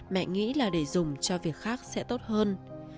mẹ nghĩ là để dùng cho việc khác sẽ tốt hơn